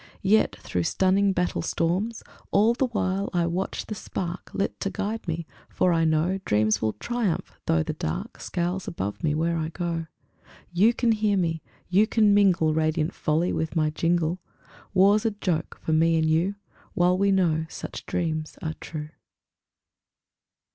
Yet, through stunning battle storms, All the while I watch the spark Lit to guide me; for I know Dreams will triumph, though the dark Scowls above me where I go. You can hear me; you can mingle Radiant folly with my jingle. War's a joke for me and you While we know such dreams are true!